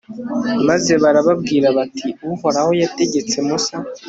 maze barababwira bati uhoraho yategetse musa